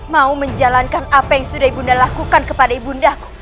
mau menjalankan apa yang sudah ibu nda lakukan kepada ibu ndaku